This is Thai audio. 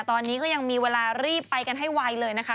ตอนนี้ก็ยังมีเวลารีบไปกันให้ไวเลยนะคะ